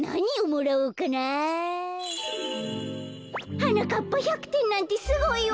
「はなかっぱ１００てんなんてすごいわ。